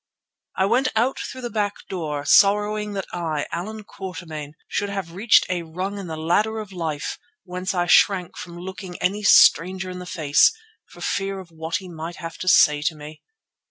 I went out through the back door, sorrowing that I, Allan Quatermain, should have reached a rung in the ladder of life whence I shrank from looking any stranger in the face, for fear of what he might have to say to me.